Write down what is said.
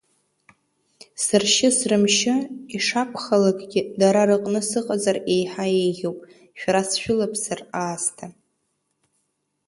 Сыршьы срымшьы, ишакәхалакгьы дара рыҟны сыҟазар еиҳа еиӷьуп, шәара сшәылаԥсыр аасҭа.